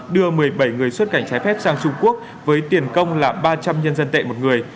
đưa một mươi bảy người xuất cảnh trái phép sang trung quốc với tiền công là ba trăm linh nhân dân tệ một người